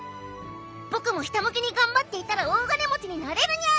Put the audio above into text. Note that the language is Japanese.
僕もひたむきに頑張っていたら大金持ちになれるにゃ！